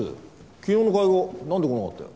昨日の会合何で来なかったよ？